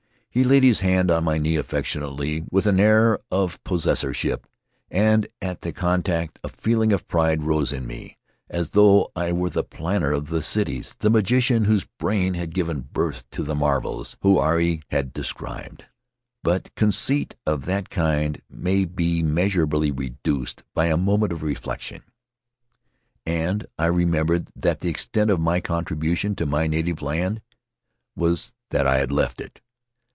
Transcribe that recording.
He laid his hand on my knee affectionately, with an air of possessorship; and at the contact a feeling of pride rose in me, as though I were the planner of the cities, the magician whose brain had given birth to the marvels Huirai had described. But conceit of that kind may be measurably reduced by a moment of reflection, and I remembered that the extent of my contribution to my native land was that I had left it.